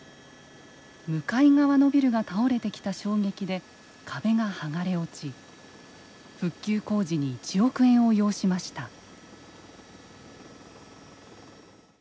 向かい側のビルが倒れてきた衝撃で壁が剥がれ落ち復旧工事に１億円を要しました。